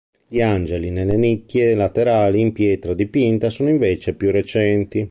Gli angeli nelle nicchie laterali, in pietra dipinta, sono invece più recenti.